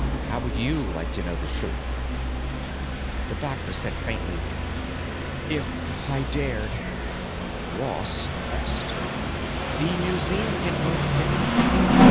How would you like to know the truth?" The doctor said faintly, "If I dared——" Ross pressed, "The museum in Earth city.